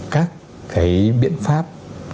các cái biện pháp